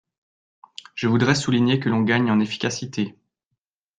Je voudrais souligner que l’on gagne en efficacité.